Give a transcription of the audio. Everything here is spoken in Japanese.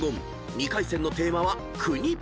２回戦のテーマは「国」］